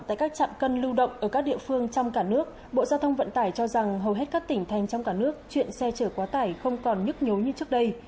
tại các trạm cân lưu động ở các địa phương trong cả nước bộ giao thông vận tải cho rằng hầu hết các tỉnh thành trong cả nước chuyện xe chở quá tải không còn nhức nhối như trước đây